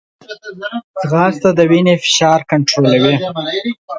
ځغاسته د وینې فشار کنټرولوي